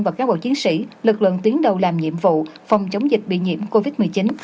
và cán bộ chiến sĩ lực lượng tuyến đầu làm nhiệm vụ phòng chống dịch bị nhiễm covid một mươi chín